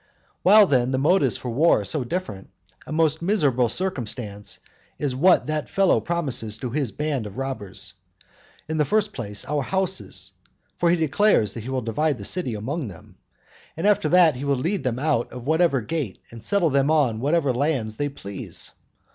While, then, the motives for war are so different, a most miserable circumstance is what that fellow promises to his band of robbers. In the first place our houses, for he declares that he will divide the city among them, and after that he will lead them out at whatever gate and settle them on whatever lands they please.